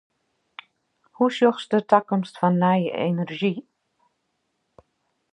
Hoe sjochst de takomst fan nije enerzjy?